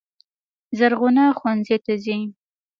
زرغونه ښوونځي ته ځي.